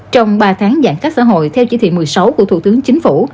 trong ba tháng giãn cách xã hội theo chỉ thị một mươi sáu của thủ tướng chính phủ